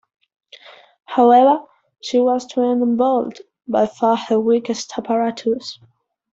However, she was to end on vault, by far her weakest apparatus.